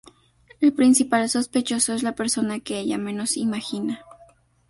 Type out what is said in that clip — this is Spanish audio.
El principal sospechoso es la persona que ella menos imagina.